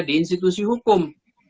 di institusi hukum